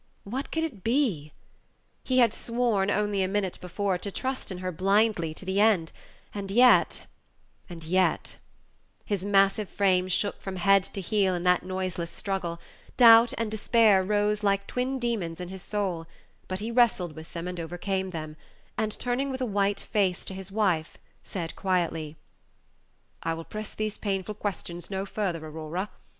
What could it be? He had sworn, only a minute before, to trust in her blindly to the end; and yet and yet His massive frame shook from head to heel in that noiseless struggle; doubt and despair rose like twin demons in his soul: but he wrestled with them, and overcame them; and, turning with a white face to his wife, said quietly: "I will press these painful questions no farther, Aurora.